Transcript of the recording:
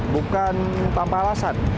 bukan tanpa alasan